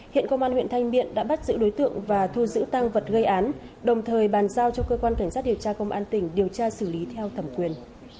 hiện công an huyện thanh miện đã bắt giữ đối tượng và thu giữ tăng vật gây án đồng thời bàn giao cho cơ quan cảnh sát điều tra công an tỉnh điều tra xử lý theo thẩm quyền